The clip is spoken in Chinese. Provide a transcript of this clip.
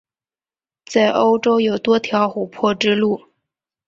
在欧洲有多条琥珀之路。